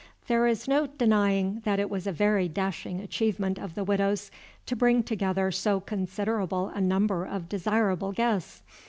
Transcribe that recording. There is no denying that it was a very dashing achievement of the Widow's to bring together so considerable a number of desirable guests.